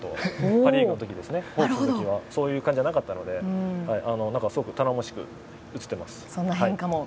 パ・リーグの時そういう感じじゃなかったのですごく頼もしく映っています。